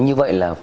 như vậy là